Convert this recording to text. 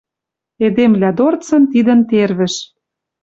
Эдемвлӓ дорцын тидӹн тервӹш